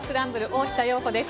大下容子です。